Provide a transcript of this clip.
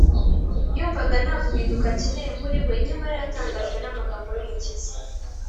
. Yumvaga nta guhinduka akeneye muri we. Nyamara yatangajwe n’amagambo y’Umukiza